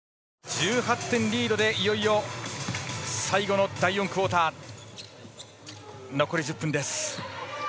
１８点リードでいよいよ最後の第４クオーター残り１０分です。